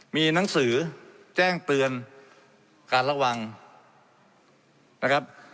มีหนังสือแจ้งเตือนการระวังนะครับ